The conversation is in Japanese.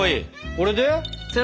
これで？